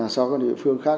so với địa phương khác